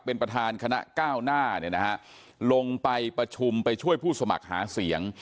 เป็นประธานคณะก้าวหน้าเนี่ยนะฮะลงไปประชุมไปช่วยผู้สมัครหาเสียง